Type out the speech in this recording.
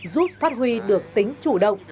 giúp phát huy được tính chủ động